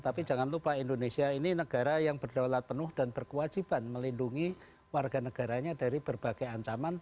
tapi jangan lupa indonesia ini negara yang berdaulat penuh dan berkewajiban melindungi warga negaranya dari berbagai ancaman